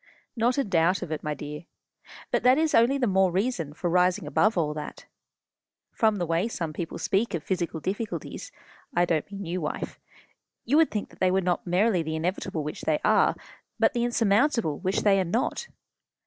"Not a doubt of it, my dear. But that is only the more reason for rising above all that. From the way some people speak of physical difficulties I don't mean you, wife you would think that they were not merely the inevitable which they are, but the insurmountable which they are not.